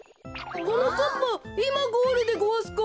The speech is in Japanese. はなかっぱいまゴールでごわすか？